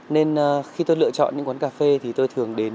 nên khi tôi lựa chọn những quán cà phê thì tôi thường đến